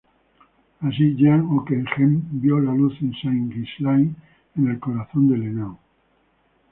Así Jean Ockeghem vio la luz en Saint–Ghislain, en el corazón del Henao.